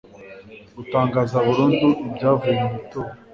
gutangaza burundu ibyavuye mu itora